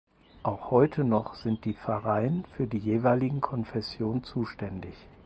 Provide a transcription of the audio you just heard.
Auch heute noch sind die Pfarreien für die jeweiligen Konfession zuständig.